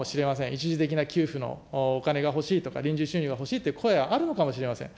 一時的な給付のお金が欲しいとか、臨時収入が欲しいという声あるのかもしれません。